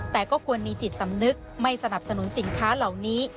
แต่ก็ควรมีจิตสำนึกไม่สนับสนุนสินค้าเหล่านี้